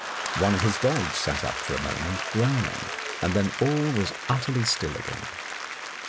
One of his dogs sat up for a moment growl ing, and then all was utterly still again.